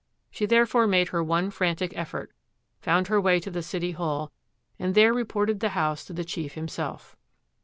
She therefore made her one frantic effort, found her way to the city hall, and there reported the house to the chief himself.